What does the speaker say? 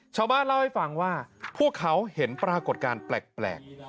ชาวบ้านเล่าให้ฟังว่าพวกเขาเห็นปรากฏการณ์แปลก